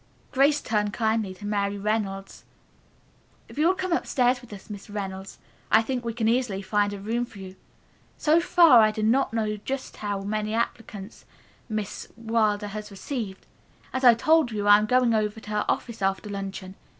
Grace turned kindly to Mary Reynolds. "If you will come upstairs with us, Miss Reynolds, I think we can easily find a room for you. So far I do not know just how many applications Miss Wilder has received. As I told you, I am going over to the office after luncheon.